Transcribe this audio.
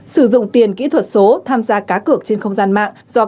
sử dụng tiền kỹ thuật số tham gia cá cược trên không gian mạng